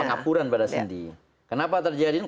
pengapuran pada sendi kenapa terjadi